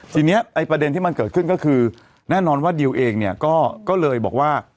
ทีนี้ไอ้ประเด็นที่มันเกิดขึ้นก็คือแน่นอนว่าดิวเองเนี่ยก็เลยบอกว่า